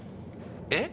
えっ？